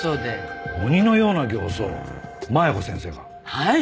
はい。